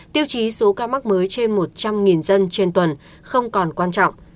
tiêu chí số ca mắc mới trên một trăm linh dân trên tuần không còn quan trọng